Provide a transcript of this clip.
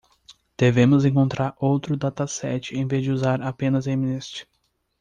Devemos encontrar outro dataset em vez de usar apenas mnist.